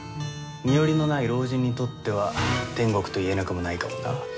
身寄りのない老人にとっては天国といえなくもないかもな。